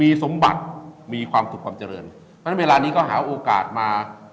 มีสมบัติมีความสุขความเจริญเพราะฉะนั้นเวลานี้ก็หาโอกาสมา